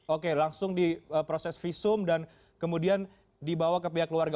oke langsung diproses visum dan kemudian dibawa ke pihak keluarga